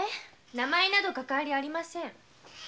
名前などかかわりありません。